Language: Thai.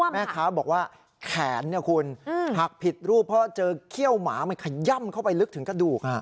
แม่ค้าบอกว่าแขนคุณหักผิดรูปเพราะเจอเขี้ยวหมามันขย่ำเข้าไปลึกถึงกระดูก